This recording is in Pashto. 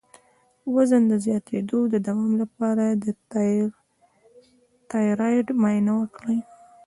د وزن د زیاتیدو د دوام لپاره د تایرايډ معاینه وکړئ